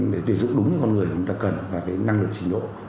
để tuyển dụng đúng những con người người ta cần và cái năng lực trình độ